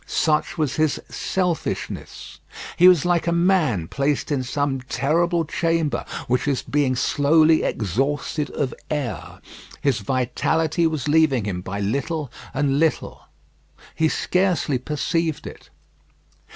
Such was his selfishness. He was like a man placed in some terrible chamber which is being slowly exhausted of air. His vitality was leaving him by little and little. He scarcely perceived it.